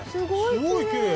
すごいきれい。